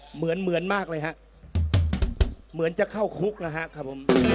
เหมือนเหมือนมากเลยฮะเหมือนจะเข้าคุกนะฮะครับผม